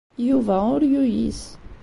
Yuba ur yuyis.